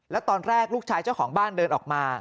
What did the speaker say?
แล้วตอนแรกลูกชายเจ้าของบ้านเดินออกมา